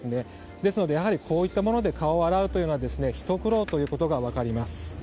ですので、こういったもので顔を洗うというのは、やはりひと苦労ということが分かります。